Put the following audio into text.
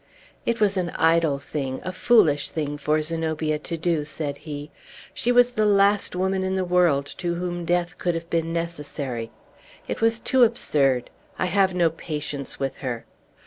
"It was an idle thing a foolish thing for Zenobia to do," said he. "She was the last woman in the world to whom death could have been necessary. It was too absurd! I have no patience with her."